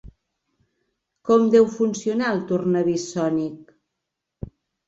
Com deu funcionar el tornavís sònic?